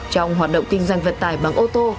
trong hoạt động kinh doanh vận tải bằng ô tô